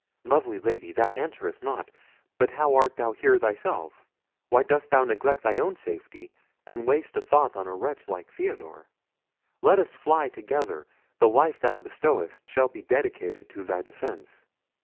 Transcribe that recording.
Lovely Lady, thou answerest not. But how art thou here thyself? Why dost thou neglect thy own safety, and waste a thought on a wretch like Theodore? Let us fly together: the life thou bestowest shall be dedicated to thy defence."